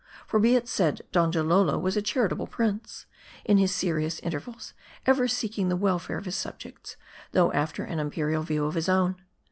For, be it said, Donjalolo was a charitable prince ; in his serious intervals, ever seeking the welfare of his subjects, though after an imperial view of his own.